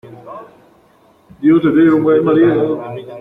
¡Dios le dé un buen marido!